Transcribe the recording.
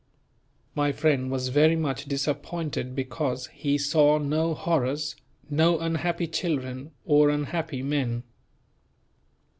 My friend was very much disappointed because he saw no horrors, no unhappy children or unhappy men.